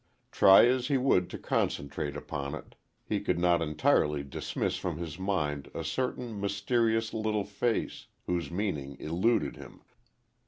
Try as he would to concentrate upon it, he could not entirely dismiss from his mind a certain mysterious little face, whose meaning eluded him.